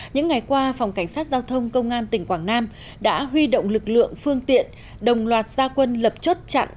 những ngày qua phòng cảnh sát giao thông công an tỉnh quảng nam đã huy động lực lượng phương tiện đồng loạt gia quân lập chốt chặn